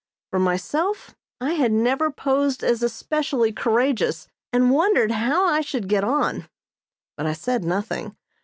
For myself, I had never posed as especially courageous, and wondered how I should get on. But I said nothing.